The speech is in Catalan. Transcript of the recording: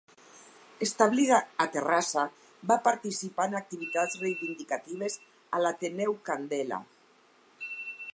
Establida a Terrassa, va participar en activitats reivindicatives a l'Ateneu Candela.